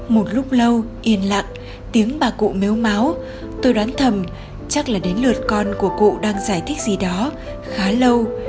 một lúc lâu yên lặng tiếng bà cụ méo máo tôi đoán thầm chắc là đến lượt con của cụ đang giải thích gì đó khá lâu